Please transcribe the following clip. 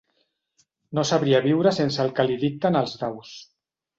No sabria viure sense el que li dicten els daus.